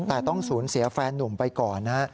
แต่ต้องสูญเสียแฟนนุ่มไปก่อนนะฮะ